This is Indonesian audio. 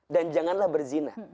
dan janganlah berzina